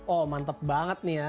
oh mantep banget nih ya